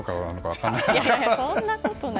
そんなことない。